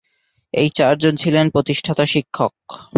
এই চার জনই ছিলেন প্রতিষ্ঠাতা শিক্ষক।